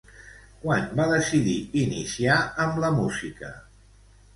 Quan va decidir iniciar amb la música?